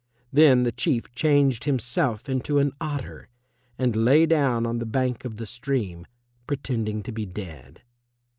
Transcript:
Then the Chief changed himself into an otter and lay down on the bank of the stream, pretending to be dead.